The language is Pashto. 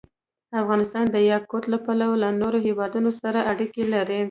افغانستان د یاقوت له پلوه له نورو هېوادونو سره اړیکې لري.